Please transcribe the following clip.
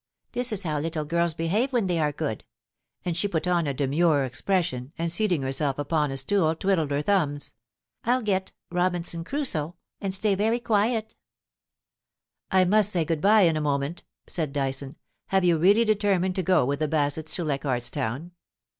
This is how little girls behave when they are good ;' and she put on a demure expression, and seating herself upon a stool, twiddled her thumbs. ' I'll get " Robinson Crusoe," and stay very quiet' * I must say good bye in a moment,' said Dyson. * Have you really determined to go with the Bassetts to Leichardt's Town?